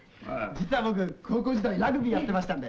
実は僕、高校時代ラグビーやってましたんで。